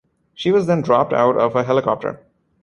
She was then dropped out of a helicopter.